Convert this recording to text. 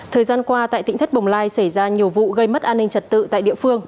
thời gian qua tại tỉnh thất bồng lai xảy ra nhiều vụ gây mất an ninh trật tự tại địa phương